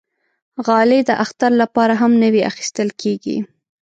غالۍ د اختر لپاره هم نوی اخېستل کېږي.